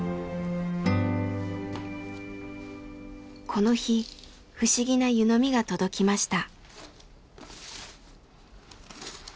この日不思議な湯飲みが届きました。